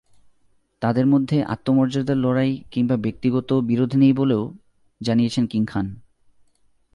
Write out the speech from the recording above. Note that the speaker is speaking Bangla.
তাঁদের মধ্যে আত্মমর্যাদার লড়াই কিংবা ব্যক্তিগত বিরোধ নেই বলেও জানিয়েছেন কিং খান।